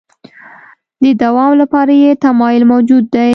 د دوام لپاره یې تمایل موجود دی.